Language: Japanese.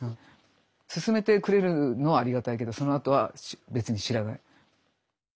すすめてくれるのはありがたいけどそのあとは別に知らない。